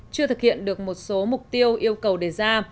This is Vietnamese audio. chưa thực hiện được một số mục tiêu yêu cầu đề ra